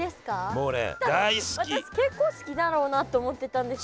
もうね私結構好きだろうなって思ってたんですけど。